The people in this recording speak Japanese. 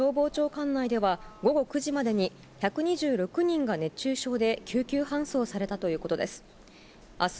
管内では、午後９時までに１２６人が熱中症で救急搬送されたということです。